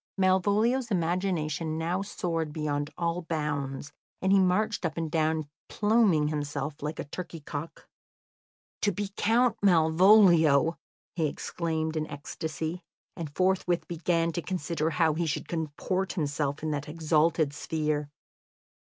Malvolio's imagination now soared beyond all bounds, and he marched up and down, pluming himself like a turkey cock. "To be Count Malvolio!" he exclaimed in ecstasy, and forthwith began to consider how he should comport himself in that exalted sphere.